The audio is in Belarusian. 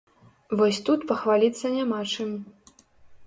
Вось тут пахваліцца няма чым.